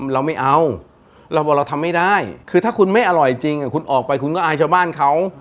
เราไม่เอาเราบอกเราทำไม่ได้คือถ้าคุณไม่อร่อยจริงคุณออกไปคุณก็อายชาวบ้านเขา